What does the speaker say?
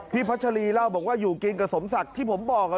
พัชรีเล่าบอกว่าอยู่กินกับสมศักดิ์ที่ผมบอก